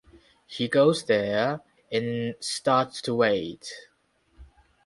He goes there and starts to wait.